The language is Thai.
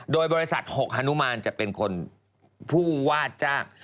โดยบริษัท๖ฮานุมานจะเป็นคนผู้ว่าจ้าง